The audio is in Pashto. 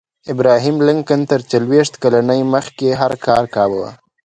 ابراهم لينکن تر څلوېښت کلنۍ مخکې هر کار کاوه.